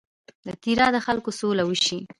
د تیرا د خلکو سوله وشي.